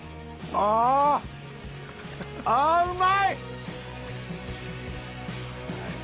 ああうまい！